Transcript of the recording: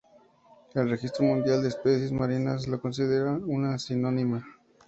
El Registro Mundial de Especies Marinas lo considera una sinonimia.